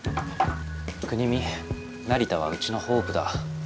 国見成田はうちのホープだ。